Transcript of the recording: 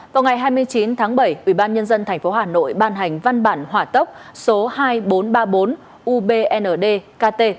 vào ngày hai mươi chín tháng bảy ubnd tp hà nội ban hành văn bản hỏa tốc số hai nghìn bốn trăm ba mươi bốn ubndkt